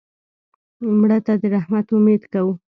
مړه ته د رحمت امید کوو